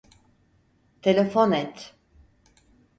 Telefon et.